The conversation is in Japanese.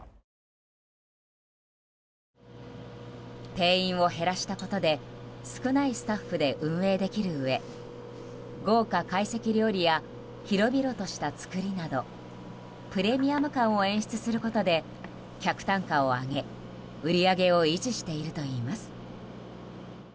定員を減らしたことで少ないスタッフで運営できるうえ豪華懐石料理や広々とした作りなどプレミアム感を演出することで客単価を上げ売り上げを維持しているといいます。